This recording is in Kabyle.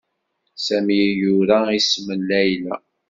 Sami yura isem n Layla.